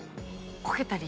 こけたり。